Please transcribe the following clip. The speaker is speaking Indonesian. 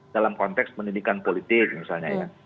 dalam konteks pendidikan politik misalnya ya